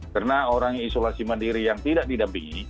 karena orang isolasi mandiri yang tidak didampingi